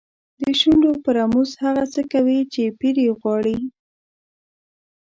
د شونډو په رموز هغه څه کوي چې پیر یې غواړي.